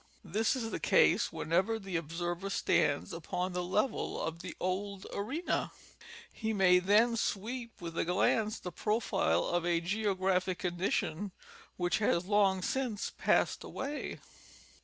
This is the case whenever the observer stands upon the level of the old arena; he may then sweep with a glance the profile of a geographic condition which has long since passed away.